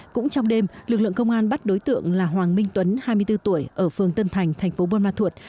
cũng trong đêm lực lượng công an bắt đối tượng là hoàng minh tuấn hai mươi bốn tuổi ở phường tân thành thành phố buôn ma thuột